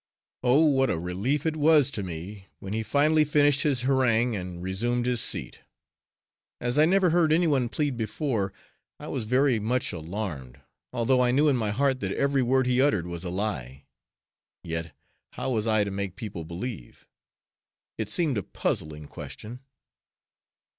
Oh! what a relief it was to me when he finally finished his harangue and resumed his seat! As I never heard anyone plead before, I was very much alarmed, although I knew in my heart that every word he uttered was a lie! Yet, how was I to make people believe? It seemed a puzzling question!